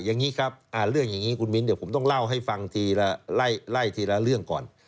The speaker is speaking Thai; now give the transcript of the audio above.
อย่างนี้ครับเรื่องอย่างนี้คุณมิ้นเดี๋ยวผมต้องเล่าให้ฟังทีละไล่ทีละเรื่องก่อน